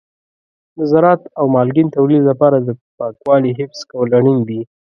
د زراعت او مالګین تولید لپاره د پاکوالي حفظ کول اړین دي.